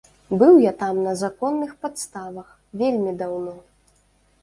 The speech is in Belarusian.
Быў я там на законных падставах, вельмі даўно.